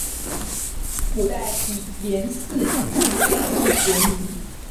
古代以连四纸产地闻名。